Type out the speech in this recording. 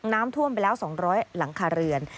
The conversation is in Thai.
น้ำท่วมไปแล้ว๒๐๐หลังคาเรือน